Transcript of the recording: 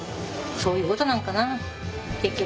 そういうことなんかな結局は。